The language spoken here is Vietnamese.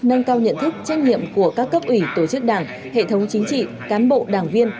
nâng cao nhận thức trách nhiệm của các cấp ủy tổ chức đảng hệ thống chính trị cán bộ đảng viên